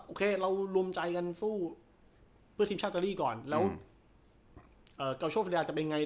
โอเคเรารวมใจกันสู้เดี๋ยวไลน์กาวโชคเซลีอารจะเป็นไง